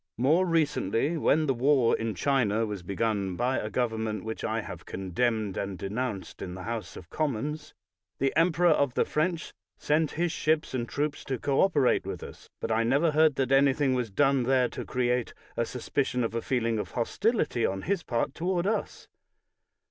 More recently, when the war in China was begun by a government which I have con demned and denounced in the House of Com mons, the emperor of the French sent his ships and troops to cooperate with us, but I never heard that anything was done there to create a suspicion of a feeling of hostility on his part toward us.